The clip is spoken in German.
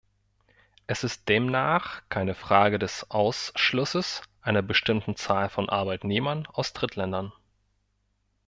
Es ist demnach keine Frage des Ausschlusses einer bestimmten Zahl von Arbeitnehmern aus Drittländern.